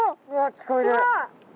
聞こえる？